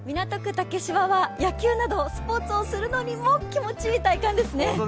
竹芝は野球などスポーツをするのにも気持ちいい体感ですね。